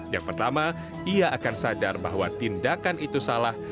yang pertama ia akan sadar bahwa tindakan itu salah